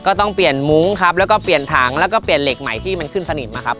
ต้องเปลี่ยนมุ้งครับแล้วก็เปลี่ยนถังแล้วก็เปลี่ยนเหล็กใหม่ที่มันขึ้นสนิมนะครับ